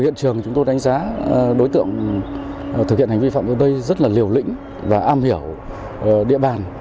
hiện trường chúng tôi đánh giá đối tượng thực hiện hành vi phạm ở đây rất là liều lĩnh và am hiểu địa bàn